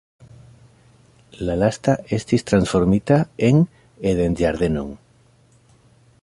La lasta estis transformita en eden-ĝardenon.